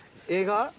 映画？